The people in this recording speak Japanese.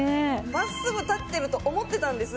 真っすぐ立ってると思ってたんです。